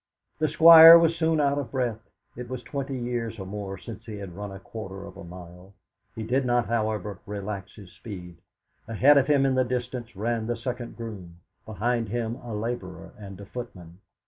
The Squire was soon out of breath it was twenty years or more since he had run a quarter of a mile. He did not, however, relax his speed. Ahead of him in the distance ran the second groom; behind him a labourer and a footman.